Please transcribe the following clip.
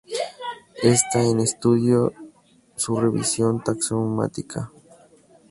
Está en estudio su revisión taxonómica.